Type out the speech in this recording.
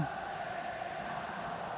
malaysia đối tượng